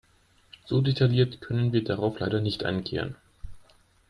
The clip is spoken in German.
So detailliert können wir darauf leider nicht eingehen.